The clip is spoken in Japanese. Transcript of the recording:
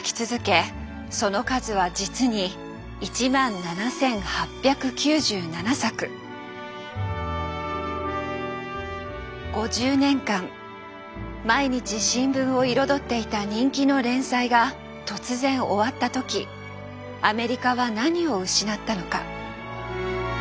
その数は実に５０年間毎日新聞を彩っていた人気の連載が突然終わった時アメリカは何を失ったのか。